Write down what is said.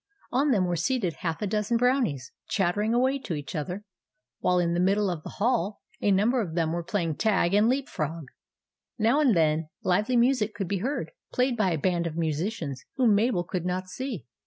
On them were seated half a dozen Brownies, chattering away to each other, while in the 186 THE ADVENTURES OF MABEL middle of the hall a number of them were playing tag and leap frog. Now and then, lively music could be heard, played by a band of musicians whom Mabel could not see.